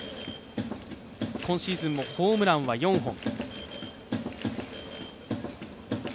今シーズンもホームランは４本。